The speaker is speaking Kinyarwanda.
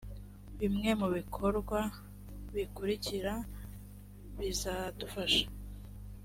bimwe mu bikorwa bikurikira bizadufasha